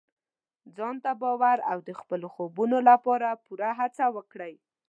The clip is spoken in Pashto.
ځان ته باور او د خپلو خوبونو لپاره پوره هڅه وکړئ.